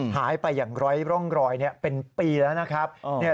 หายไปอย่างร้อยร่องรอยเป็นปีแล้ว